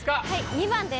２番です。